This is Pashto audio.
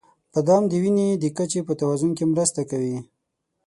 • بادام د وینې د کچې په توازن کې مرسته کوي.